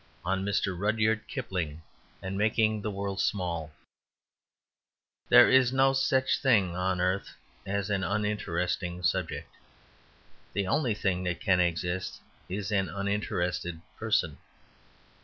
On Mr. Rudyard Kipling and Making the World Small There is no such thing on earth as an uninteresting subject; the only thing that can exist is an uninterested person.